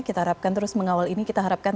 kita harapkan terus mengawal ini kita harapkan